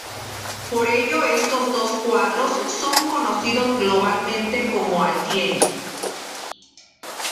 Por ello estos dos cuadros son conocidos globalmente como los "Altieri".